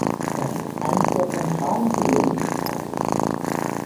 Das ist eines der zentralen Probleme dieses Hauses.